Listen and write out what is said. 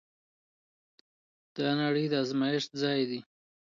دا نړۍ د ازمويښت ځای دی.